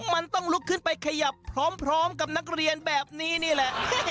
มันต้องลุกขึ้นไปขยับพร้อมกับนักเรียนแบบนี้นี่แหละ